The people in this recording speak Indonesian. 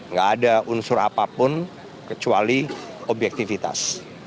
nggak ada unsur apapun kecuali objektivitas